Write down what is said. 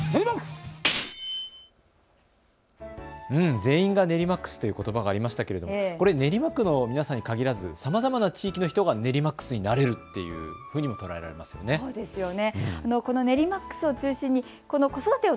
全員がネリマックスということばがありましたが練馬区の人にかぎらずさまざまな地域の１番ネリマックスになれるというふうにも捉えられますよね。